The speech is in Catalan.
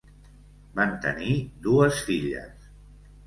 Van tenir dues filles.